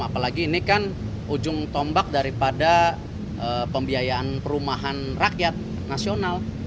apalagi ini kan ujung tombak daripada pembiayaan perumahan rakyat nasional